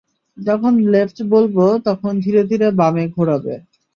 যখন লেফট বলব তখন ধীরে ধীরে বামে ঘোরাবে।